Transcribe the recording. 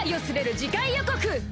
次回予告！